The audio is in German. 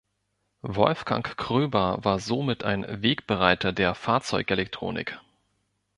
Wolfgang Kröber war somit ein Wegbereiter der Fahrzeugelektronik.